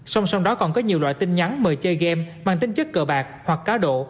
song song đó còn có nhiều loại tin nhắn mời chơi game mang tính chất cờ bạc hoặc cá độ